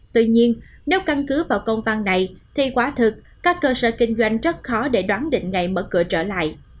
tuy nhiên nếu căn cứ vào công văn này thì quá thực các cơ sở kinh doanh rất khó để đoán định ngày mở cửa trở lại